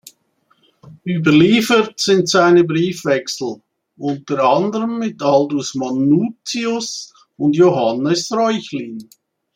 Überliefert sind seine Briefwechsel, unter anderem mit Aldus Manutius und Johannes Reuchlin.